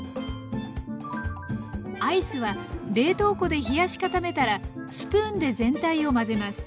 アイスは冷凍庫で冷やし固めたらスプーンで全体を混ぜます。